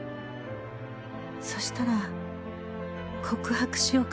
「そしたら告白しようかな」